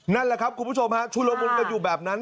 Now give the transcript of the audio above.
นั่นแหละครับคุณผู้ชมฮะชุลมุนกันอยู่แบบนั้น